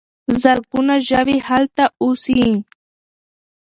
زرګونه ژوي هلته اوسي.